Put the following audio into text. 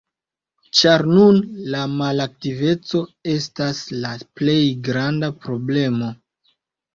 Ĉar nun la malaktiveco estas la plej granda problemo.